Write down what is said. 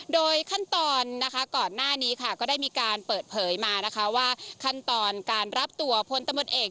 โดยขั้นตอนก่อนหน้านี้ก็ได้มีการเปิดเผยมาพลตบนเอก